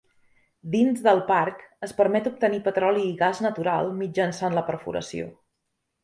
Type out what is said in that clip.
Dins del parc es permet obtenir petroli i gas natural mitjançant la perforació.